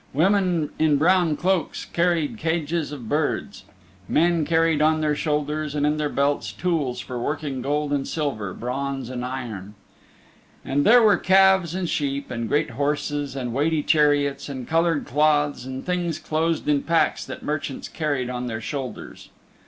Women in brown cloaks carried cages of birds. Men carried on their shoulders and in their belts tools for working gold and silver, bronze and iron. And there were calves and sheep, and great horses and weighty chariots, and colored cloths, and things closed in packs that merchants carried on their shoulders.